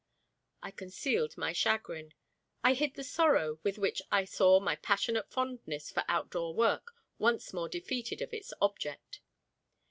I concealed my chagrin. I hid the sorrow with which I saw my passionate fondness for outdoor work once more defeated of its object.